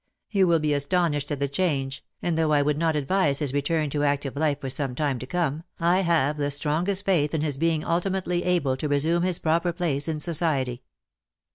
You will be astonished at the change, and, though I would not advise his return to active life for some time to come, I have the strongest faith in his being ultimately able to resume his proper place in society."